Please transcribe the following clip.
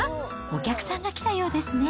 お客さんが来たようですね。